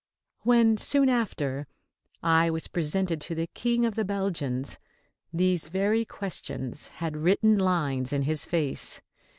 When, soon after, I was presented to the King of the Belgians, these very questions had written lines in his face.